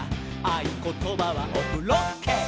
「あいことばはオフロッケ！」